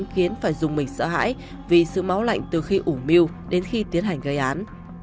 khiến phải dùng mình sợ hãi vì sự máu lạnh từ khi ủ miêu đến khi tiến hành gây án